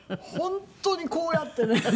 本当にこうやってね。